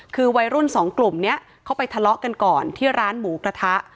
คือวัยรุ่นสองกลุ่มนี้เขาไปทะเลาะกันก่อนที่ร้านหมูกระทะ